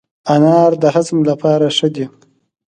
انار د هضم لپاره ښه دی.